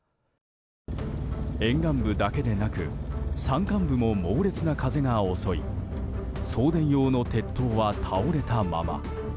沿岸部だけでなく山間部も猛烈な風が襲い送電用の鉄塔は倒れたまま。